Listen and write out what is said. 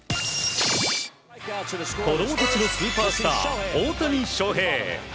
子供たちのスーパースター大谷翔平。